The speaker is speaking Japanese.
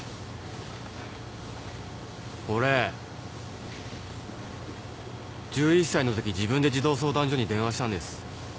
俺１１歳のとき自分で児童相談所に電話したんです。